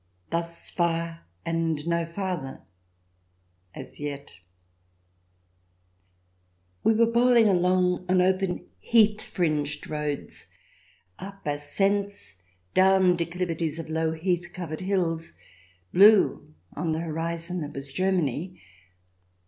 ... Thus far and no farther — as yet !... We were bowling along on open heath fringed roads, up ascents, down declivities of low heath covered hills, blue on the horizon that was Germany.